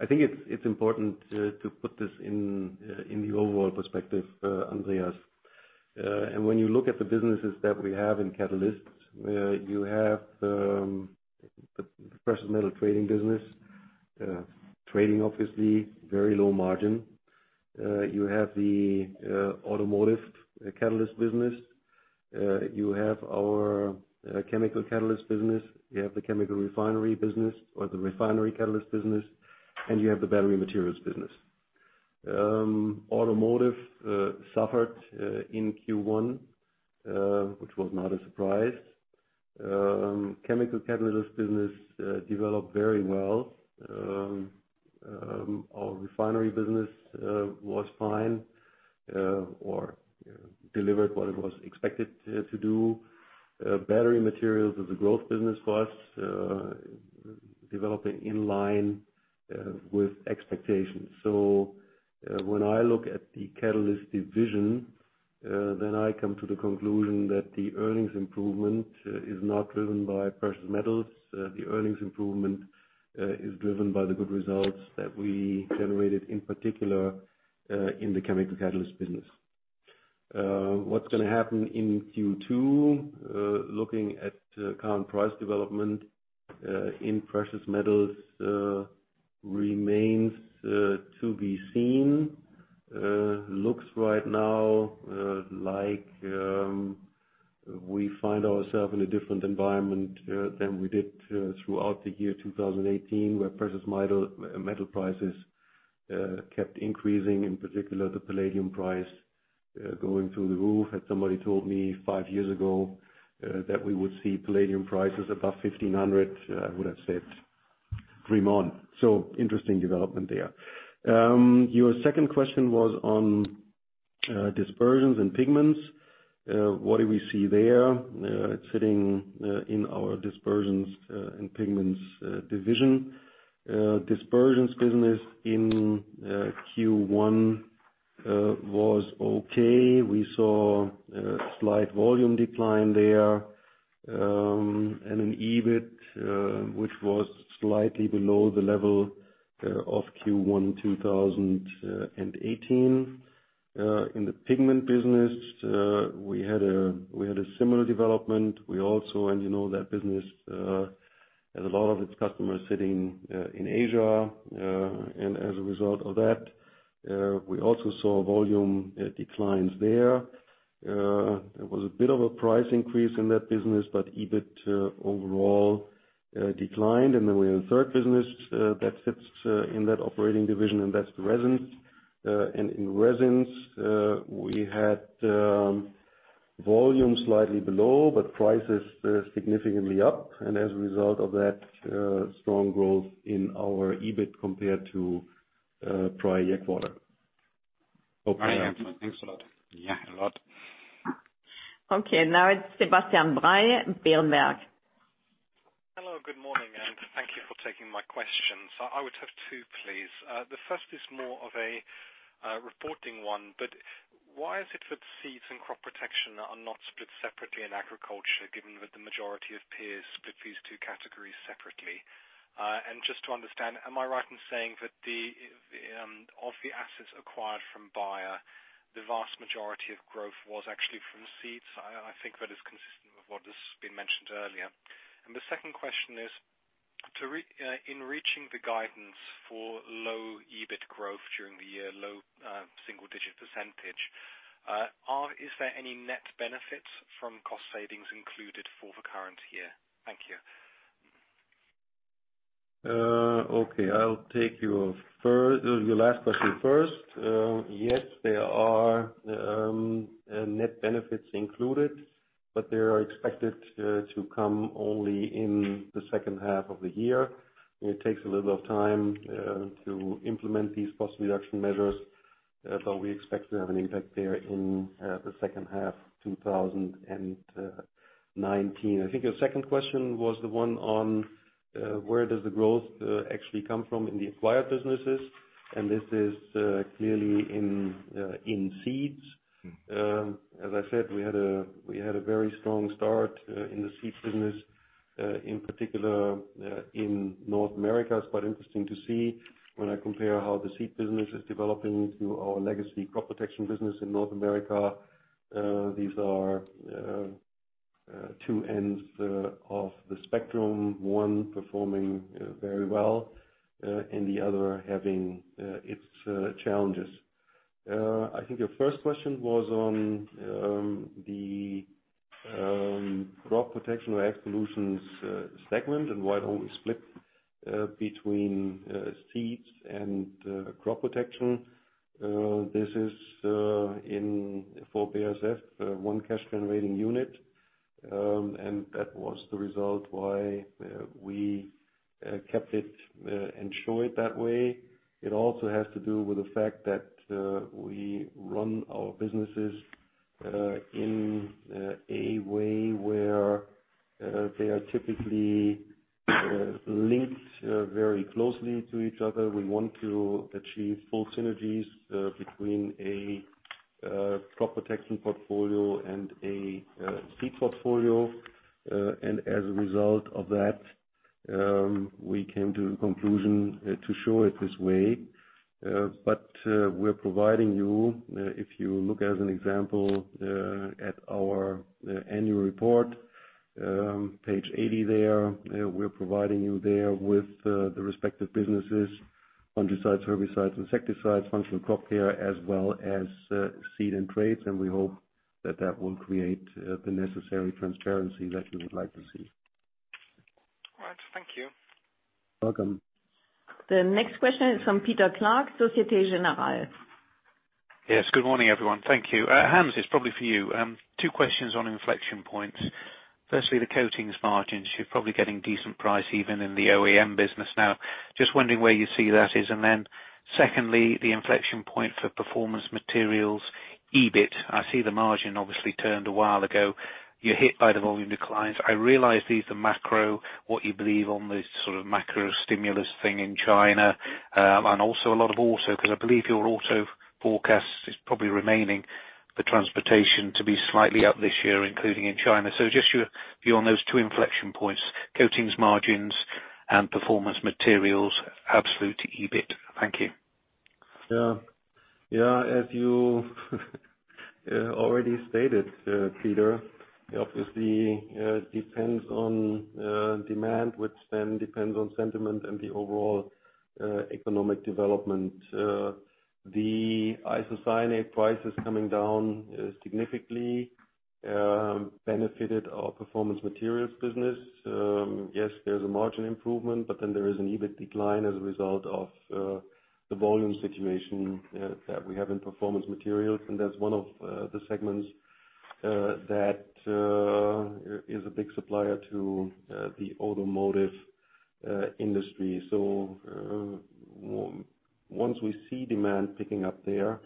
I think it's important to put this in the overall perspective, Andreas. When you look at the businesses that we have in catalysts, you have the Precious Metals Trading business. Trading, obviously very low margin. You have the automotive catalyst business. You have our chemical catalyst business. You have the chemical refinery business or the refinery catalyst business, and you have the battery materials business. Automotive suffered in Q1 which was not a surprise. Chemical catalyst business developed very well. Our refinery business was fine or delivered what it was expected to do. Battery materials as a growth business for us, developing in line with expectations. When I look at the Catalysts division, I come to the conclusion that the earnings improvement is not driven by precious metals. The earnings improvement is driven by the good results that we generated, in particular, in the chemical catalyst business. What's going to happen in Q2, looking at current price development in precious metals remains to be seen. Looks right now like we find ourselves in a different environment than we did throughout the year 2018, where precious metal prices kept increasing, in particular the palladium price going through the roof. Had somebody told me five years ago that we would see palladium prices above 1,500, I would have said dream on. Interesting development there. Your second question was on Dispersions & Pigments. What do we see there? It's sitting in our Dispersions & Pigments division. Dispersions business in Q1 was okay. We saw a slight volume decline there, and an EBIT which was slightly below the level of Q1 2018. In the pigment business, we had a similar development. We also, you know that business has a lot of its customers sitting in Asia. As a result of that, we also saw volume declines there. There was a bit of a price increase in that business, but EBIT overall declined. We have a third business that sits in that operating division, and that's resins. In resins we had volume slightly below, but prices significantly up. As a result of that, strong growth in our EBIT compared to prior year quarter. Thanks a lot. A lot. Okay. Now it's Sebastian Bray, Berenberg. Hello, good morning. Thank you for taking my questions. I would have two, please. The first is more of a reporting one, why is it that seeds and crop protection are not split separately in agriculture, given that the majority of peers split these two categories separately? Just to understand, am I right in saying that of the assets acquired from Bayer, the vast majority of growth was actually from seeds? I think that is consistent with what has been mentioned earlier. The second question is, in reaching the guidance for low EBIT growth during the year, low single-digit %, is there any net benefit from cost savings included for the current year? Thank you. Okay, I'll take your last question first. Yes, there are net benefits included, they are expected to come only in the second half of the year. It takes a little bit of time to implement these cost reduction measures, we expect to have an impact there in the second half 2019. I think your second question was the one on where does the growth actually come from in the acquired businesses, this is clearly in Seeds. As I said, we had a very strong start in the Seeds business, in particular in North America. It's quite interesting to see when I compare how the Seed business is developing to our legacy crop protection business in North America. These are two ends of the spectrum, one performing very well and the other having its challenges. I think your first question was on the Crop Protection and AgSolutions segment, why don't we split between Seeds and Crop Protection. This is for BASF, one cash generating unit, that was the result why we kept it and show it that way. It also has to do with the fact that we run our businesses in a way where they are typically linked very closely to each other. We want to achieve full synergies between a Crop Protection portfolio and a Seed portfolio. As a result of that, we came to the conclusion to show it this way. We're providing you, if you look as an example at our annual report, page 80 there, we're providing you there with the respective businesses, fungicides, herbicides, insecticides, Functional Crop Care, as well as Seed and Traits, and we hope that that will create the necessary transparency that you would like to see. All right. Thank you. Welcome. The next question is from Peter Clark, Société Générale. Yes. Good morning, everyone. Thank you. Hans, it's probably for you. Two questions on inflection points. Firstly, the Coatings margins. You're probably getting decent price even in the OEM business now. Just wondering where you see that is. Secondly, the inflection point for Performance Materials EBIT. I see the margin obviously turned a while ago. You're hit by the volume declines. I realize these are macro, what you believe on this sort of macro stimulus thing in China, and also a lot of auto, because I believe your auto forecast is probably remaining for transportation to be slightly up this year, including in China. Just your view on those two inflection points, Coatings margins and Performance Materials absolute EBIT. Thank you. Yeah. As you already stated, Peter, obviously, it depends on demand, which then depends on sentiment and the overall economic development. The isocyanate prices coming down significantly benefited our Performance Materials business. Yes, there's a margin improvement, but then there is an EBIT decline as a result of the volume situation that we have in Performance Materials, and that's one of the segments that is a big supplier to the automotive industry. Once we see demand picking up there,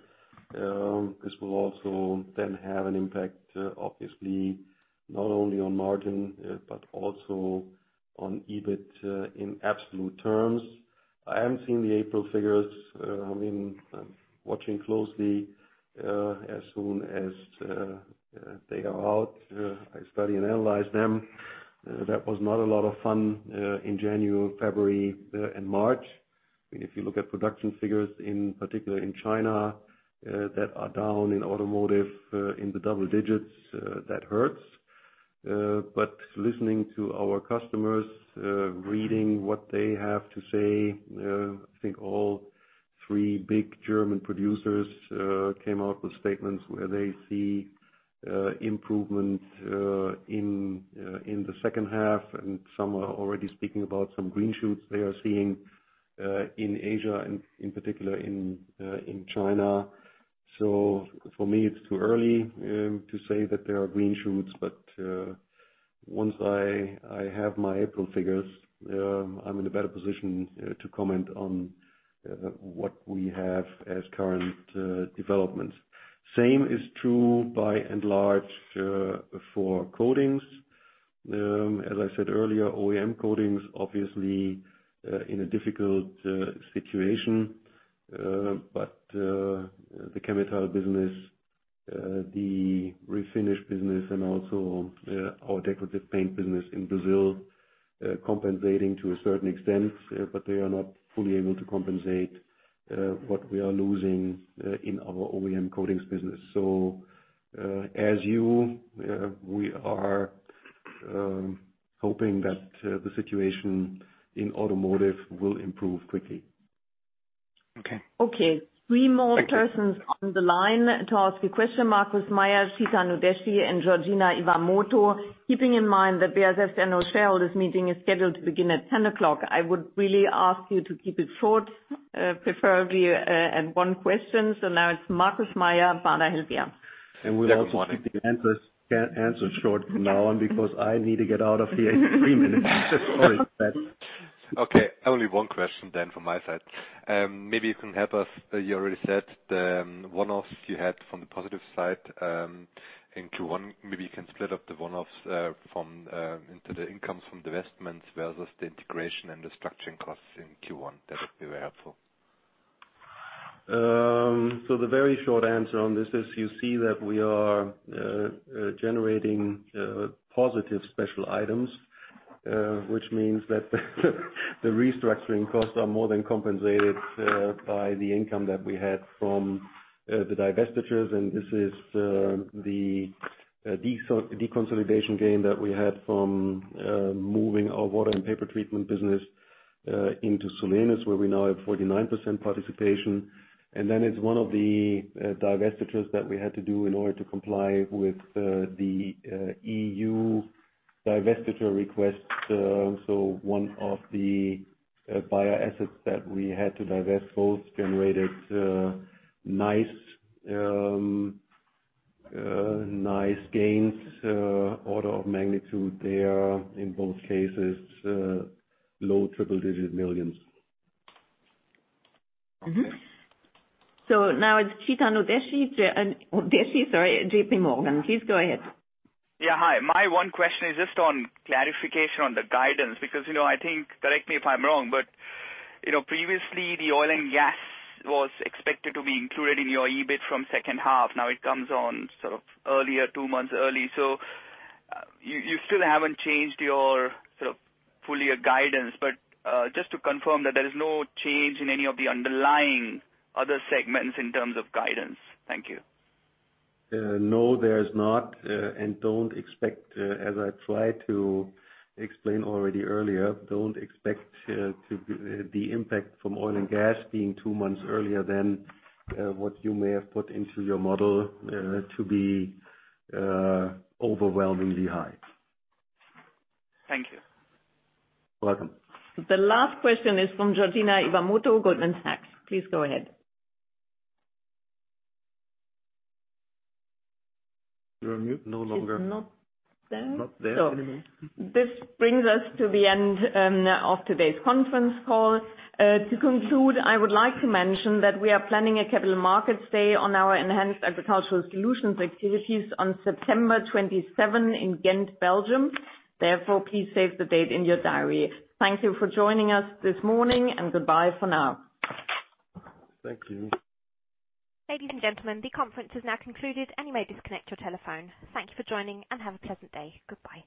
this will also then have an impact, obviously, not only on margin, but also on EBIT in absolute terms. I haven't seen the April figures. I've been watching closely. As soon as they are out, I study and analyze them. That was not a lot of fun in January, February, and March. If you look at production figures, in particular in China, that are down in automotive in the double digits, that hurts. Listening to our customers, reading what they have to say, I think all three big German producers came out with statements where they see improvement in the second half, and some are already speaking about some green shoots they are seeing in Asia, and in particular in China. For me, it's too early to say that there are green shoots, but once I have my April figures, I'm in a better position to comment on what we have as current developments. Same is true by and large for Coatings. As I said earlier, OEM Coatings, obviously, in a difficult situation. The chemical business, the refinish business, and also our decorative paint business in Brazil, compensating to a certain extent, but they are not fully able to compensate what we are losing in our OEM Coatings business. As you, we are hoping that the situation in automotive will improve quickly. Okay. Three more persons on the line to ask a question, Markus Mayer, Chetan Udeshi, and Georgina Fraser. Keeping in mind that BASF annual shareholders meeting is scheduled to begin at 10 o'clock, I would really ask you to keep it short, preferably at one question. Now it's Markus Mayer, Baader Helvea. We'll also keep the answers short from now on, because I need to get out of here in three minutes. Sorry. Okay, only one question then from my side. Maybe you can help us. You already said the one-offs you had from the positive side in Q1, maybe you can split up the one-offs into the income from divestments versus the integration and the structuring costs in Q1. That would be very helpful. The very short answer on this is you see that we are generating positive special items, which means that the restructuring costs are more than compensated by the income that we had from the divestitures, and this is the deconsolidation gain that we had from moving our water and paper treatment business into Solenis, where we now have 49% participation. Then it's one of the divestitures that we had to do in order to comply with the EU divestiture request. One of the bioassets that we had to divest both generated nice gains, order of magnitude there in both cases, low EUR triple-digit millions. Now it's Chetan Udeshi, JPMorgan. Please go ahead. Yeah. Hi. My one question is just on clarification on the guidance, because I think, correct me if I'm wrong, but previously the oil and gas was expected to be included in your EBIT from second half. Now it comes on sort of earlier, two months early. You still haven't changed your full-year guidance. Just to confirm that there is no change in any of the underlying other segments in terms of guidance. Thank you. No, there is not, and don't expect, as I tried to explain already earlier, don't expect the impact from oil and gas being two months earlier than what you may have put into your model to be overwhelmingly high. Thank you. Welcome. The last question is from Georgina Fraser, Goldman Sachs. Please go ahead. You're on mute no longer. She's not there. Not there anymore. This brings us to the end of today's conference call. To conclude, I would like to mention that we are planning a capital markets day on our enhanced Agricultural Solutions activities on September 27 in Ghent, Belgium. Therefore, please save the date in your diary. Thank you for joining us this morning, and goodbye for now. Thank you. Ladies and gentlemen, the conference is now concluded, and you may disconnect your telephone. Thank you for joining, and have a pleasant day. Goodbye.